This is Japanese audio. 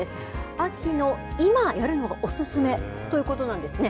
秋の今、やるのがお勧めということなんですね。